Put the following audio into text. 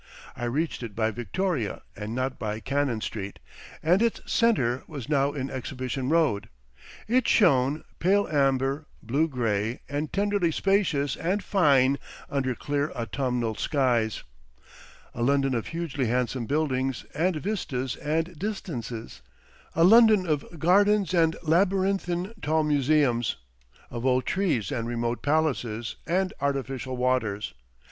I reached it by Victoria and not by Cannon Street, and its centre was now in Exhibition Road. It shone, pale amber, blue grey and tenderly spacious and fine under clear autumnal skies, a London of hugely handsome buildings and vistas and distances, a London of gardens and labyrinthine tall museums, of old trees and remote palaces and artificial waters.